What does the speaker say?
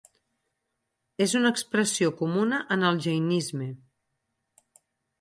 És una expressió comuna en el jainisme.